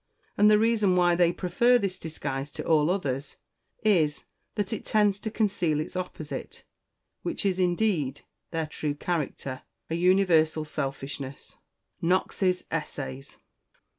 And the reason why they prefer this disguise to all others, is, that it tends to conceal its opposite, which is, indeed, their true character an universal selfishness." KNOX'S _Essays.